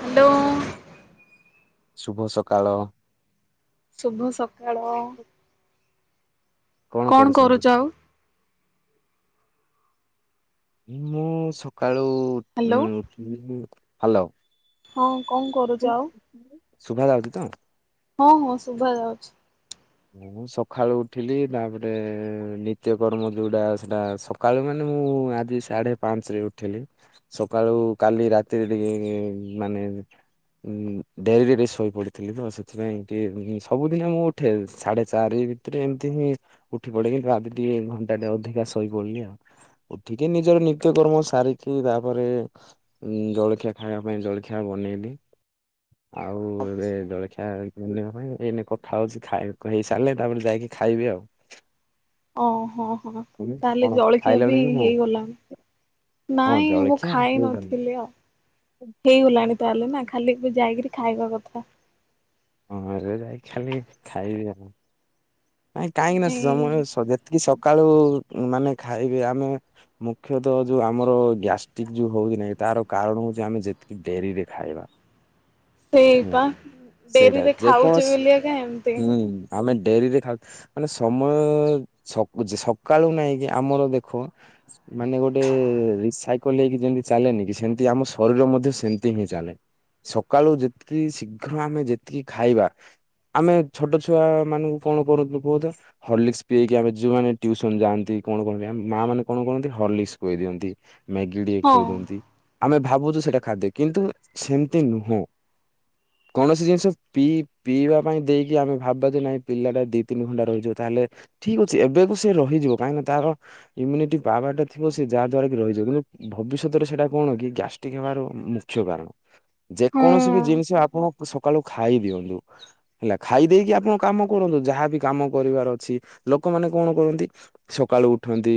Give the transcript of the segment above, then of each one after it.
Hello. ଶୁଭ ସକାଳ। ଶୁଭ ସକାଳ। କଣ କରୁଛନ୍ତି? କରୁଛ ଆଉ ମୁଁ ସକାଳୁ ଉ ହ୍ୟାଲୋ ଉଠିଲି, ହାଲୋ। ହଁ କଣ କରୁଚ ଆଉ। ଶୁଭା ଯାଉଚି ତ? ହଁ ହଁ ଶୁଭା ଯାଉଚି। ହଁ ସକାଳୁ ଉଠିଲି। ତାପରେ ନିତ୍ୟକର୍ମ ଯୋଉଟା ସେଟା ସକାଳୁ ମାନେ ମୁଁ ଆଜି ସାଢେ ପାଞ୍ଚ ରେ ଉଠିଲି। ସକାଳୁ କାଲି ରାତିରେ ଟିକେ ମାନେ ଉଁ ଡେରି ରେ ଟିକେ ଶୋଇ ପଡିଥିଲି ତ। ସେଥିପାଇଁ ସବୁଦିନ ମୁଁ ଉଠେ। ସାଢେ ଚାରି ଭିତରେ ଏମିତି ମୁଁ ଉଠି ପଡେ। କିି ଆଜି ଟିକେ ଘଣ୍ଟା ଟେ ଅଧିକା ଶୋଇ ପଡିଲି ଆଉ। ଉଠିକି ନିଜର ନିତ୍ୟ କର୍ମ ସାରିକି। ତାପରେ ଉଁ ଜଳଖିଆ ଖାଇବା ପାଇଁ। ଜଳଖିଆ ବ ନେଲି। [inaudible] ଆଉ ଏବେ ଆଛା ଜଳଖିଆ ନେବା ପାଇଁ ଏଇନେ କଥା ହଉଛି ଖାଇ ହେଇ ସାରିଲେ, ତାପରେ ଯାଇକି ଖାଇବି ଆଉ। ଓହୋ ହୋ, ତମେ ତାହଲେ କଣ ଜଳଖିଆ ବି ଖାଇଲଣି କି ନାଇଁ? ହେଇଗଲାଣି। ହଁ ନାଇଁ ମୁଁ ଜଳଖିଆ ଖାଇ ହେଇଗଲାଣି। ନଥିଲି ଆଉ। ହେଇଗଲାଣି ତାହେଲେ ନା? ଖାଲି ଯାଇକରି ଖାଇବା କଥା। ହଁ ଏବେ ଯାଇକି ଖାଲି ଖାଇବି ଆଉ। ନାଇଁ କାହିଁକି ନା ନାଇଁ ସମୟ ସବ ଯେତିକି ସବୁ ସକାଳୁ ମାନେ ଖାଇବେ। ଆମେ ମୁଖ୍ୟତଃ ଯୋଉ ଆମର ଗ୍ୟାଷ୍ଟ୍ରିକ୍ ଯୋଉ ହଉନାଇ। ତାର କାରଣ ହଉଛି, ଆମେ ଯେତିକି ଡେରିରେ ଖାଇବା। ସେଇ ନାଁ ପା ସେଇଟା, ଡେରିରେ ଖାଉଛ ବୋଲି ଏକା ଏମିତି ଯେକୌଣସି ହୁଁ। ଆମେ ଡେରିରେ ଖାଉ, ମାନେ ସମୟ ସ ସକାଳୁ ନାଇକି ଆମର ଦେଖ। ମାନେ ଗୋଟେ ରିସାଇକଲ ହେଇକି ଯେମିତି ଚାଲେନି କି? ସେମତି ଆମ ଶରୀର ମଧ୍ୟ ସେମିତି ହିଁ ଚାଲେ। ସକାଳୁ ଯେତିକି ଶୀଘ୍ର ଆମେ ଯେତିକି ଖାଇବା। ଆମେ ଛୋଟ ଛୁଆ ମାନଙ୍କୁ କଣ କରୁଥିଲୁ କୁହ ତ ହର୍ଲିକିସ ପିଇକି ଆମେ, ଯୋଉମାନେ ଟିଉସନ ଯାଆନ୍ତି। କଣ ଖୁଆନ୍ତି ମା ମାନେ କଣ ଖୁଆନ୍ତି। ହରଲିିକସ୍ ଖୁଆଇ ଦିଅନ୍ତି। ମ୍ୟାଗି ଟିକିଏ ହଁ ଖୁଆଇ ଦିଅନ୍ତି। ଆମେ ଭାବୁଛୁ ସେଇଟା ଖାଦ୍ୟ, କିନ୍ତୁ ସେମିତି ନୁହଁ। [inaudible] କୌଣସି ଜିନିଷ ପିଇ ପିଇବା ପାଇଁ ଦେଇକି? ଆମେ ଭାବିବା ଯେ ନାଇଁ ପିଲାଟା ଦି ତିନି ଘଣ୍ଟା ରହିଯିବ। ତାହେଲେ ଠିକ ଅଛି ଏବେ କୁ ସେ ରହିଯିବ। କାହିଁକି ନା ତାର ଇମ୍ୟୁନିଟି ପାୱାର ଟା ଥିବ। ସେ ଯାହା ଦ୍ଵାରା କି ରହିଯିବ। କିନ୍ତୁ ଭବିଷ୍ୟତରେ ସେଇଟା କଣ କି ଗ୍ୟାଷ୍ଟ୍ରିକ ହେବାର ମୁଖ୍ୟ କାରଣ ଯେ କୌଣସି ବି ହଁ ଜିନିଷ, ଆପଣ ସକାଳୁ ଖାଇ ଦିଅନ୍ତୁ। ହେଲା ଖାଇ ଦେଇେଇକି ଆପଣ କାମ କରନ୍ତୁ। ଯାହାବି କାମ କରିବାର ଅଛି। ଲୋକମାନେ କଣ କରନ୍ତି ସକାଳୁ ଉଠନ୍ତି।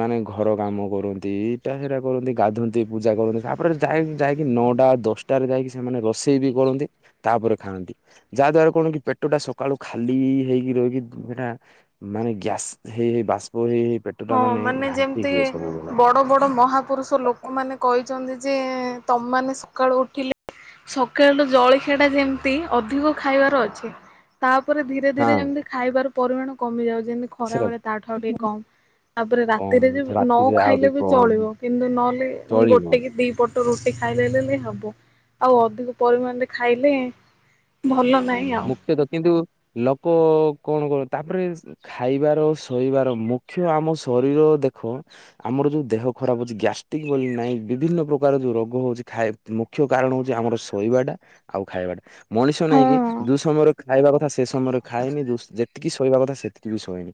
ମାନେ ଘ କାମ କରନ୍ତି, ଇଟା ସେଟା କରନ୍ତି। ଗାଧନ୍ତି, ପୂଜା କରନ୍ତି ତାପରେ ଯାଇ ଯାଇକି ନଅଟା ଦଶଟା ଟାରେ ଯାଇକି ସେମାନେ ରୋଷେଇ ବି କରନ୍ତି। ତାପରେ ଖାଆନ୍ତି ଯାହା ଦ୍ଵାରା କଣ କି, ପେଟ ଟା ସକାଳୁ ଖାଲି ହେଇକି ରହିକି ସେଟା ମାନେ ଗ୍ୟାସ, ହେଇ ହେଇ ବାଷ୍ପ ହେଇ ହେଇ ପେଟଟା ହଁ ମାନେ ଘାଣ୍ଟି ଯେମିତି, ହୁଏ ସବୁବେଳେ ବଡ ବଡ ମହାପୁରୁଷ ଲୋକମାନେ କହିଚନ୍ତି। ଯେ ତମେମାନେ ସକାଳୁ ଉଠିଲେ? ସକାଳର ଜଳଖିଆ ଟା ଯେମିତି ଅଧିକ ଖାଇବାର ଅଛି। ତା ତାପରେ ଧୀରେ ଧୀରେ ହଁ ଯେମିତି, ଖାଇବାର ପରିମାଣ କମିଯାଉଚି। ଯେମିତି ଖରା ସେଟା ବେଳେ ତାଆଠୁ ଆଉ ଟିକେ କମ୍। ତାପରେ ରାତିରେ କମ ଯେ ନ ରାତିରେ ଆହୁରି ଖାଇଲେ ବି କମ ଚଳିବ। କିନ୍ତୁ ନହେଲେ ଚଳିବ ଗୋଟେ କି ଦି ପଟ ପଟ ରୁଟି ଖାଇଲେ ହେଲେ ହବ, ଆଉ ଅଧିକ ପରିମାଣରେ ଖାଇଲେ ଭଲ ନ ମୁଖ୍ୟତଃ କିନ୍ତୁ ଲୋକ କଣ କର ତାପରେ ଖାଇବାର ଶୋଇବାର ମୁଖ୍ୟ ଆମ ଶରୀର ଦେଖ ଆମର ଯୋଉ ଦେହ ଖରାପ ଅଛି ଗ୍ୟାଷ୍ଟ୍ରିକ୍ ବୋଲି ନାହିଁ ବିଭିନ୍ନ ପ୍ରକାର ଯୋଉ ରୋଗ ହଉଚି ଖାଇ ମୁଖ୍ୟ କାରଣ ହଉଛି ଆମର ଶୋଇବାଟା ଆଉ ଖାଇବାଟା ମଣିଷ ହଁ ନାଇଁ କି ଯୋଉ ସମୟରେ ଖାଇବା କଥା ସେ ସମୟରେ ଖାଏନି ଯୋ ଜେତିକି ଶୋଇବା କଥା ସେତିକି ବି ଶୋଇନି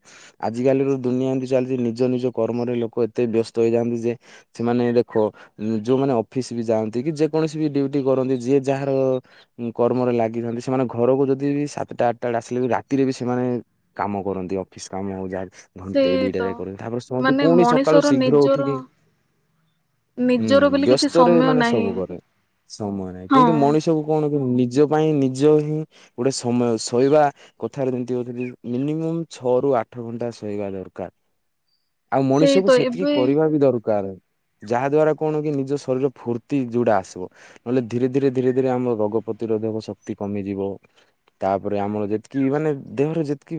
ଆଜି କାଲିର ଦୁ ନିଆ ଚାଲିଚି ନିଜ ନିଜ କର୍ମରେ ଲୋକ ଏତେ ବ୍ୟସ୍ତ ହେଇଯାନ୍ତି ଯେ ସେମାନେ ଦେଖ ଯୋଉମାନେ ଅଫିସ୍ ବି ଯାନ୍ତି କି ଯେ କୌଣସି ବି ଡ୍ୟୁଟି କରନ୍ତି ଯିଏ ଯାହାର କର୍ମରେ ଲାଗିରନ୍ତି ସେମାନେ ଘରକୁ ଯଦି ବି ସାତଟା ଆଠଟା ବେଳେ ଆସିଲେ ବି ରାତିରେ ବି ସେମାନେ କାମ କରନ୍ତି ଅଫିସ୍ କାମ ହଉ ଯାହାବି ଘଣ୍ଟେ ସେଇ ଦିଟା ତ ଯାଏ କରନ୍ତି ତାପରେ ଶୁଅନ୍ତି ମାନେ ପୁଣି ସକାଳୁ ମଣିଷର ଶୀଘ୍ର ଉଠିକି ନିଜର ହୁଁ ନିଜର ବୋଲି କିଛି ବ୍ୟସ୍ତରେ ସମୟ ମାନେ ନାହିଁ ସବୁ କରେ। ସମୟ ନାହିଁ ହଁ କିନ୍ତୁ ମଣିଷକୁ କଣ କି ନିଜ ପାଇଁ ନି ନିଜ ହିଁ ଗୋଟେ ସମୟ ଶୋଇବା କଥାରେ ଯେମତି ମିନିମମ୍ ଛଅ ରୁ ଆଠ ଘଣ୍ଟା ଶୋଇବା ଦରକାର। [inaudible] ଆଉ ସେଇ ମଣିଷକୁ ତ ସେତିକି ଏବେ କରିବା ବି ଦରକାର। ଯାହା ଦ୍ଵାରା କଣ କି ନିଜ ଶରୀର ଫୁର୍ତ୍ତି ଯଉଡା ଆସିବ ନହେଲେ ଧୀରେ ଧୀରେ ଧୀରେ ଧୀରେ ଆମ ରୋଗ ପ୍ରତିରୋଧକ ଶକ୍ତି କମିଯିବ। ତାପରେ ଆମର ଯେତିକି ମାନେ ଦେହରେ ଯେତିକି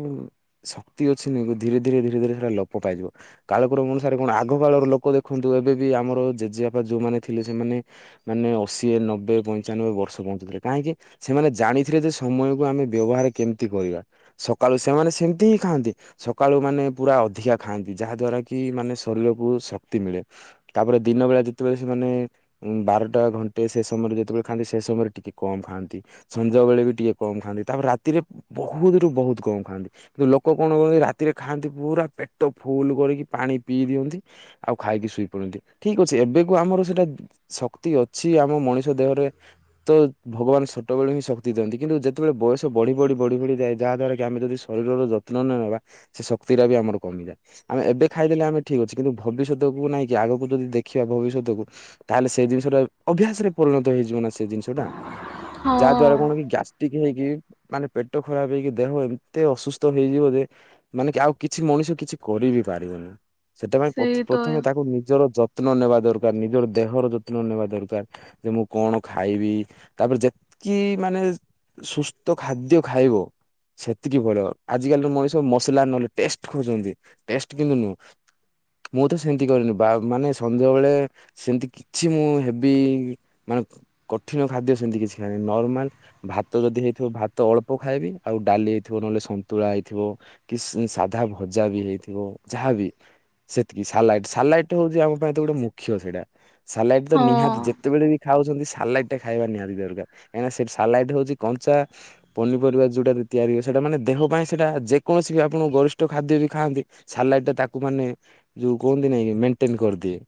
ଶକ୍ତି ଅଛି ନା ଧୀରେ ଧୀରେ ଧୀରେ ଧୀରୋ ହେଟା ଲୋ ପାଇିବ କାଳକ୍ରମ ଅନୁସାରେ କଣ ଆଗ କାଳର ଲୋକ ଦେଖନ୍ତୁ ଏବେ ବି ଆମର ଜେଜେବାପା ଯୋଉମାନେ ଥିଲେ ସେମାନେ ନି ମାନେ ଅଶୀ ନବେ ପଞ୍ଚାନବେ ବର୍ଷ ବଞ୍ଚୁଥିଲେ କାହିଁକି ସେମାନେ ଜାଣିଥିଲେ ଯେ ସମୟକୁ ଆମେ ବ୍ୟବହାର କେମିତି କରିବା ସକାଳୁ ସେମାନେ ସେମତି ହିଁ ଖାଆନ୍ତି। ସକାଳୁ ମାନେ ପୁରା ଅଧିକା ଖାଆନ୍ତି ଯାହାଦ୍ୱାରା କି ମାନେ ଶରୀରକୁ ଶକ୍ତି ମିଳେ ତାପରେ ଦି ଦିନବେଳେ ଯେତେବେଳେ ସେମାନେ ବାରଟା ଘଣ୍ଟେ ସେ ସମୟରେ ଯେତେବେଳେ ଖାଆନ୍ତି ସେ ସମୟରେ ଟିକେ କମ୍ ଖାଆନ୍ତି। ସନ୍ଧ୍ୟା ବେଳେ ବି ଟିକେ କମ୍ ଖାଆନ୍ତି ତାପରେ ରାତିରେ ବହୁତୁ ରୁ ବହୁତୁ କମ୍ ଖାଆନ୍ତି କିନ୍ତୁ ଲୋକ କଣ କରନ୍ତି ରାତିରେ ଖାଆନ୍ତି ପୁରା ପେଟ ଫୁଲ କରିକି ପାଣି ପିଇ ଦିଅନ୍ତି ଆଉ ଖାଇକି ଶୋଇ ପଡ଼ନ୍ତି ଠିକ୍ ଅ ଏବେକୁ ଆମର ସେଇଟା ଶକ୍ତି ଅଛି ଆମ ମଣିଷ ଦେହରେ ତ ଭଗବାନ ସ ଛଟବେଳେ ହିଁ ଶକ୍ତି ଦିଅନ୍ତି କିନ୍ତୁ ଯେତେବେଳେ ବୟସ ବଡ଼ି ବଡ଼ି ବ଼ଢ଼ି ଯାଏ ଯାହାଦ୍ୱାରା ଆମେ ଯଦି ଶରୀରର ଯତ୍ନ ନ ନେବା ସେ ଶକ୍ତି ଟା ବି ଆମର କମିଯାଏ ଆମେ ଏବେ ଖାଇଦେଲେ ଆମେ ଠିକ୍ ଅଛି କିନ୍ତୁ ଭବିଷ୍ୟତକୁ ନାଇଁ କିି ଆଗକୁ ଯଦି ଦେଖି ଶଖିବା ଭବିଷ୍ୟତକୁ ତାହେଲେ ସେ ଜିନିଷଟା ଅଭ୍ୟାସ ରେ ପରିଣତ ହେଇଯିବ ନା ସେ ଜିନିଷ ଟା। [inaudible] ଯାହାଦ୍ଵାରା କଣ କି ଗ୍ୟାସ୍ ିକ ହେଇକି ମାନେ ପେଟ ଖରାପ ହେଇକି ଦେହ ଏତେ ଅସୁସ୍ଥ ହେଇଯିବ ଯେ ମାନେ କି ଆଉ କିଛି ମ ମଣିଷ କିଛି କରିିବି ପାରିବନି ସେଥିପାଇଁ ପଥ ସେଇ ତ ପ୍ରଥମେ ତାକୁ ନିଜର ଯ ଯତ୍ନ ନେବା ଦରକାର୍ ନିଜର ଦେହର ଯତ୍ନ ନେବା ଦରକାର୍ ଯେ ମୁଁ କଣ ଖାଇବି ତାପରେ ଯେତ କି ମାନେ ସୁସ୍ଥ ଖାଦ୍ୟ ଖାଇବ। ସେତିକି ଭଲ ଆଜିକାଲିର ମଣିଷ ମସଲା ନହେଲେ ଟେଷ୍ଟେ ଖୋଜନ୍ତି ଟେଷ୍ଟେ କିନ୍ତୁ ନୁହଁ। ମୁଁ ତ ସେମିତି କରିନି ବା ମାନେ ସଞ୍ଜବେଳେ ସେମିତି କିଛି ମୁଁ ହେବି ମା କଠିନ ଖାଦ୍ୟ ସେମିତି କିଛି ନର୍ମାଲ ଭାତ ଯଦି ହେଇଥିବ ଭାତ ଅଳ୍ପ ଖାଇବି ଆଉ ଡାଲି ହେଇଥିବ ନହେଲେ ସନ୍ତୁଳା ହେଇଥିବ। କି ସି ସାଧା ଭଜା ବି ହେଇଥିବ ଯାହାବି ସେତିକି ସାଲାଇଟ ସାଲାଇଟ ହଉଛି ଆମ ପାଇଁ ତ ଗୋଟେ ମୁଖ୍ୟ ସେଇଟା। ସାଲାଇଟି ତ ନିହାତି ହଁ। ଯେତେବେଳେ ବି ଖାଉଛନ୍ତି ସାଲାଇଟି ଟା ଖାଇବା ନିହାତି ଦରକାର। କାହିଁକି ନା ସେ ସାଲାଡ ହଉଛି କଞ୍ଚା ପନିପରିବା ଯୋଉଟା ତିଆରି ହୁଏ ସେଟା ମାନେ ଦେହ ପାଇଁ ସେଇଟା ଯେକୋ କୌଣସି ଆପଣ ଗରିଷ୍ଠ ଖାଦ୍ୟ ବି ଖାଆନ୍ତି ସାଲାଟ୍ ଟା ତାକୁ ମାନେ ଯୋଉ କୁହନ୍ତି ନାଇଁ ମେଣ୍ଟେନ କରିଦିଏ।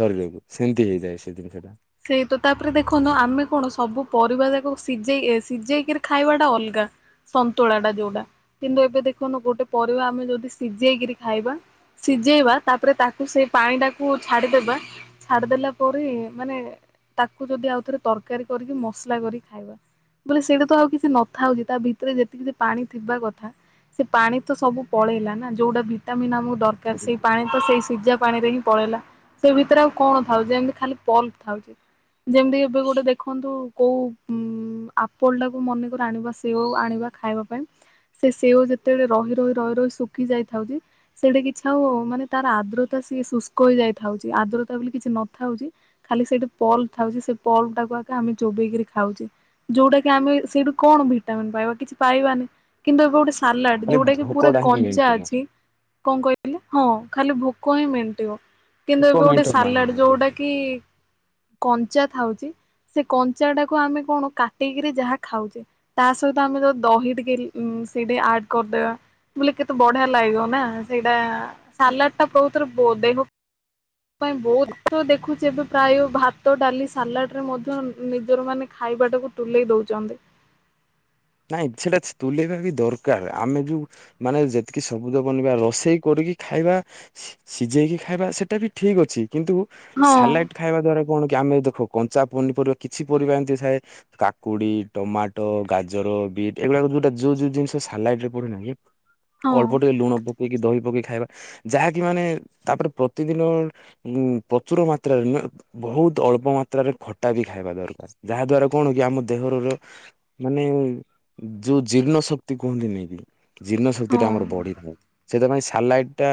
ଶରୀରକୁ ସେମିତି ହେଇଯାଏ ସେ ଜିନିଷ ଟା। ସେଇ ତ ତାପରେ ଦେଖନ୍ତୁ ଆମେ କଣ ସବୁ ପରିବା ଯାକ ସିଝେଇ ଏସିଝେଇକିରି ଖାଇବା ଟା ଅଲଗା। ସନ୍ତୁଳା ଟା ଯୋଉଟା କିନ୍ତୁ ଏବେ ଦେଖନ୍ତୁ ଗୋଟେ ପରିବା ଆମେ ଯଦି ସିଝେଇକିରି ଖାଇବା ସି ସିଜେଇବା ତାପରେ ତାକୁ ସେଇ ପାଣି ଟାକୁ ଛାଡ଼ିଦେବା ଛାଡ଼ିଦେଲା ପରେ ମାନେ ତାକୁ ଯଦି ଆଉ ଥରେ ତରକାରୀ କରିକି ମସଲା କରିକି ଖାଇବା ବୋଲେ ସେଇଟା ତ ଆଉ କିଛି ନଥାଉଛି। ତା ଭିତରେ ଯେତିକି ପାଣି ଥିବା କଥା ସେ ପାଣି ତ ସବୁ ପଳେଇଲା ନା ଯୋଉଁଟା ଭିଟାମିିନ ଆମ ଦରକାର ସେଇ ପାଣି ତ ସେଇ ସିଝା ପାଣି ରେ ହିଁ ପଳେଇଲା ସେ ଭିତରେ ଆଉ କଣ ଥାଉ ଯେମିତି ଖାଲି ପଲ ଥାଉଛି। ଯେମିତି ଏବେ ଗୋଟେ ଦେଖନ୍ତୁ କୋଉଁ ଉ ଆପଲ ଟାକୁ ମନେକର ଆଣିବା ସେଉ ଆଣିବା ଖାଇବା ପାଇଁ। ସେ ସେଓ ଯେତେବେଳେ ରହି ରହି ରହି ରହି ଶୁଖି ଯାଇଥାଉଛି। ସେଟି କିଛି ଆଉ ମାନେ ତାର ଆଦ୍ରତା ସିଏ ଶୁଷ୍କ ହେଇଯାଇ ଥାଉଚି ଆଦ୍ରତା ବୋଲି କିଛି ନଥାଉଚି। ଖାଲି ସେଇଠି ପଲ୍ ଥାଉଛି। ସେ ପଲ୍ ଟାକୁ ଆଗ ଆମେ ଚୋବେଇକିରି ଖାଉଛେ। ଯୋଉଁଟା କି ଆମେ ସେଇଠୁ କଣ ଭିଟାମିନ୍ ପାଇବା କିଛି ପାଇବାନି କିନ୍ତୁ ଏବେ ଗୋଟେ ସାଲାଡ ଖାଲି ଯୋଉଁଟା କି ପୁରା ଭୋକଟା ହିଁ କଞ୍ଚା ମେଣ୍ଟେନ ଅଛି। କଣ କ ହଁ ଖାଲି ଭୋକ ହିଁ ମେଣ୍ଟିବ କିନ୍ତୁ ଭୋକ ଏବେ ଗୋଟେ ମେଣ୍ଟେନ ପାଇଁ ସାଲାଡ ଯୋଉଁଟା କି କଞ୍ଚା ଥାଉଛି। ସେ କଞ୍ଚା ଟାକୁ ଆମେ କଣ କାଟିକିରି ଯାହା ଖାଉଛେ। ତା ସହିତ ଆମେ ଯୋଉଁ ଦହି ଟିକେ ଉଁ ସେଇଟି ଆଡ କରିଦେବା ବୋଲେ କେତେ ବଢିଆ ଲାଗିବ ନା ସେଇଟା ସାଲାଡ ଟା କହୁଥର ଦେହ [unintelligible] ପାଇଁ ବହୁତ ଦେଖୁଛି ଏବେ ପ୍ରାୟ ଭାତ ଡାଲି ସାଲାଡ଼ ରେ ମଧ୍ୟ ନିଜର ମାନେ ଖାଇବାଟାକୁ ତୁଲେଇ ଦଉଚନ୍ତି। [inaudible] ନାଇଁ ସେଟା ତୁଲେଇବା ବି ଦରକାର ଆମେ ଯୋଉଁ ମାନେ ଯେତିକି ସବୁଜ ବନିବା ରୋଷେଇ କରି ଖାଇବା ସିଝେଇକି ଖାଇବା ସେଟା ବି ଠିକ ଅଛି। କିନ୍ତୁ ହଁ ସାଲାଡ଼ ଖାଇବା ଦ୍ଵାରା କଣ ଆମେ ଦେଖ କଞ୍ଚା ପନିପରିବା କିଛି ପରିବା ଏମିତି ଥାଏ କାକୁଡି ଟମାଟୋ ଗା ଗାଜର ବିଟ ଏଗୁଡ଼ା ଯୋଉଁ ଯୋଉଁ ଜିନିଷ ସାଲାଟ ରେ ପଡ଼େନା କି ହଁ ଅଳ୍ପ ଟିକେ ଲୁଣ ଦେଇକି ଦହି ପକେଇ ଖାଇବା ଯାହାକି ମାନେ ତାପରେ ପ୍ରତିଦିନ ଉ ପ୍ରଚୁର ମାତ୍ରାରେ ବହୁତ ଅଳ୍ପ ମାତ୍ରାରେ ଖଟା ବି ଖାଇବା ଦରକାର। ଯାହା ଦ୍ୱାରା କଣ କି ଆମ ଦେହରେ ମାନେ ଯୋଉଁ ଜୀର୍ଣ୍ଣ ଶକ୍ତି କୁହନ୍ତିନି କି ଜୀର୍ଣ୍ଣ ଶକ୍ତି ଟା ଆମର ହଁ ବଢ଼ିଥାଏ ସେଥିପାଇଁ ସାଲାଡ଼ ଟା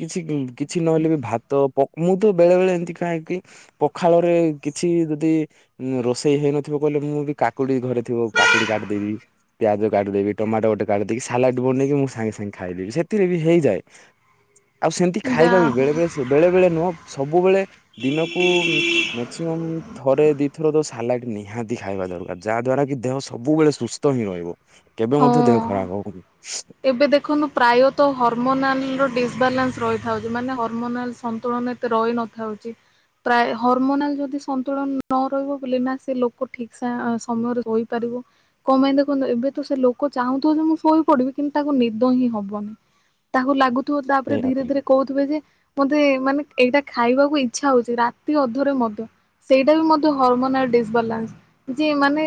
କିଛି କିଛି ନହେଲେ ବି ଭାତ ମୁଁ ତ ବେଳେବେଳେ ଏମିତି ଖାଏ କି ପଖାଳରେ କିଛି ଯଦି ରୋଷେଇ ହେଇନଥିବ କହିଲେ ମୁଁ ବି କାକୁଡ଼ି ଘରେ ଥିବ କାକୁଡ଼ି କାଟି ଦେବି, ପିଆଜ କାଟିଦେବି, ଟମାଟୋ ଗୋଟେ କାଟିଦେବି, ସାଲାଡ଼ ବନେଇକି ମୁଁ ସାଙ୍ଗେ ସାଙ୍ଗେ ଖାଇଦେବି ସେଥିରେ ବି ହେଇଯାଏ ଯାଏଁ। ଆଉ ସେମିତି ଖାଇବା ବି ଯାହା ବେଳେବେଳେ ବେଳେବେଳେ ନୁହଁ ସବୁବେଳେ ଦିନକୁ ମେକ୍ସିମ ଥରେ ଦିଇଥର ଦଶ ଲାଟ ନିହାତି ଖାଇବା ଦରକାର। ଯାହାଦ୍ୱାରା କି ଦେହ ସବୁବେଳେ ସୁସ୍ଥ ହିଁ ରହିବ। କେବେ ହଁ ମଧ୍ୟ ଦେହ ଖରାପ ହବନି। ଏବେ ଦେଖନ୍ତୁ ପ୍ରାୟତ ହରମୋନାଲ ଡି ନ୍ସ ରହିଥାଉଛି। ମାନେ ହରମୋନାଲ ସନ୍ତୁଳନ ଏତେ ରହି ନଥାଉଚି। ପ୍ରାୟ ହରମୋନାଲ ଯଦି ସନ୍ତୁଳନ ନ ରହିବ ବୋଲେ ନା ସେ ଲୋକ ଠିକ ସମୟରେ ରହିପାରିବ କମପାଇଁ ଦେଖନ୍ତୁ ଏବେ ସେ ଲୋକ ଚାହୁଁଥିବ ଯେ ମୁଁ ଶୋଇ ପଡିବି କିନ୍ତୁ ତାକୁ ନିଦ ହିଁ ହବନି ତାହାକୁ ଲାଗୁ ଥିବ ତାପରେ ସେଇଆ ଧୀରେ ତ ଧୀରେ କହୁଥିବେ ଯେ ମାନେ ଏଇଟା ଖାଇବାକୁ ଇଚ୍ଛା ହଉଛି। ରାତି ଅଧରେ ମଧ୍ୟ ସେଇଟା ବି ମଧ୍ୟ ହରମୋନାଲ ଡିସବାଲାନ୍ସ ଯେ ମାନେ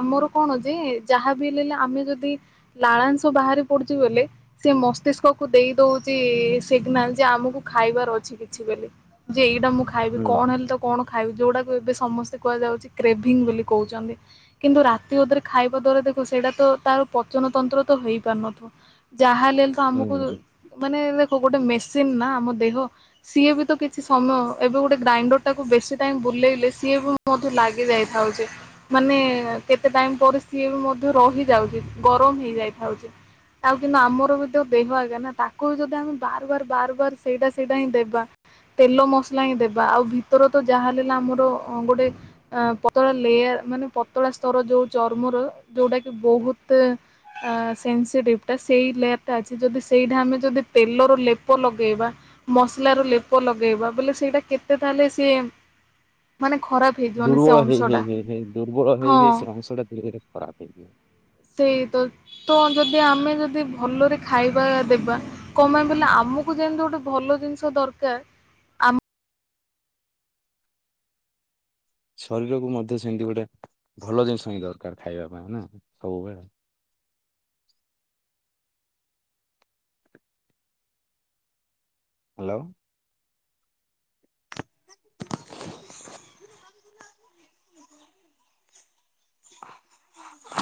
ଆମର କଣ ଯେ ଯାହା [unintelligible] ଆମେ ଯଦି ଲାଳାଂଶ ବାହାରି ପଡୁଚି ବଲେ ସେ ମସ୍ତିଷ୍କକୁ ଦେଇ ଦଉଚି ସିଙ୍ଗନାଲ ଯେ ଆମକୁ ଖାଇବାର ଅଛି। କିଛି ବୋଲି ଯେ ଏଇଟା ମୁଁ ଖାଇବି ହୁଁ କଣ ହେଲେ ତ କଣ ଖାଇବ ଯୋଉଁଟା କୁ ଏବେ ସମସ୍ତେ କୁହାଯାଉଛି କ୍ରେଭିଙ୍ଗ ବୋଲି କହୁଛନ୍ତି କିନ୍ତୁ ରାତି ଅଧରେ ଖାଇବା ଦ୍ଵାରା ସେଟା ତ ତ ପଚନ ତନ୍ତ୍ର ତ ହେଇପାରୁ ନଥିବ ଯାହାହେଲେ ହେଲେ ତ ଆମକୁ ହୁଁ ମାନେ ଗୋଟେ ମେସିନ୍ ନା ଆମ ଦେହ ସିଏ ବି ତ କିଛି ସମୟ ଏବେ ଗୋଟେ ଗ୍ରାଇଣ୍ଡର ଟାକୁ ବେଶୀ ଟାଇମ ବୁ ବୁଲେଇଲେ ସିଏ ବି ମ ଲାଗି ଯାଇଥାଉଚି ମାନେ କେତେ ଟାଇମ ପରେ ସିଏ ବି ମ ରହି ଯାଉଛି। ଗରମ ହେଇ ଯାଇଥାଉଛି। ଆଉ କିନ୍ତୁ ଆମର ବି ଦେହ ଆଗେ ନା ତାକୁ ବି ଯଦି ଆମେ ବାର ବାର ବାର ବାର ସେଇଟା ସେଇଟା ହିଁ ଦେବା ତେଲ ମସଲା ହିଁ ଦେବା ଆଉ ଭିତର ତ ଯାହାହଲେ ଆମର ଗୋଟେ ପତଳା ଲେୟାର ମାନେ ପତଳା ସ୍ତର ଯୋଉ ଚର୍ମର ଯୋଉଟା କି ବହୁତ ସେନ୍ସିଟିଭ ଟା ସେଇ ଲେୟାର ଟା ଅଛି ଯଦି ସେଇଟା ଆମେ ଯଦି ତେଲର ଲେପ ଲଗେଇବା। ମସଲା ର ଲେପ ଲଗେଇବା ବୋଲି ସେଇଟା କେତେ ତାହେଲେ ସିଏ ମାନେ ଖରାପ ହେଇଯିବନି ସେ ଦୁର୍ବଳ ହେଇ ଅଂଶଟା ହେଇ ହେଇ ହେଇ ଦୁର୍ବଳ ହେଇ ହେଇ ହଁ। ସେ ଅଂଶ ଟା ଧୀରେ ଧୀରେ ଫରାପ୍ ହେଇଯିବ। ସେଇ ତ ତ ଯଦି ଆମେ ଯଦି ଭଲରେ ଖାଇବା ଦେବା କମା ବଲେ ଆମକୁ ଯେମିତି ଗୋଟେ ଭଲ ଜିନିଷ ଦରକାର ଆମ ଶରୀରକୁ ମଧ୍ୟ ସେମିତି ଗୋଟେ ଭଲ ଜିନିଷ ହି ଦରକାର ଖାଇବା ପାଇଁ ନା ସବୁବେଳେ। ଆ ହ୍ୟାଲୋ।